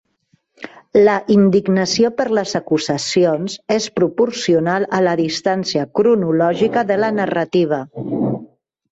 La indignació per les acusacions és proporcional a la distància cronològica de la narrativa.